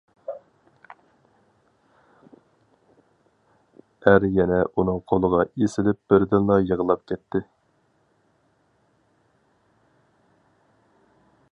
ئەر يەنە ئۇنىڭ قولىغا ئېسىلىپ بىردىنلا يىغلاپ كەتتى.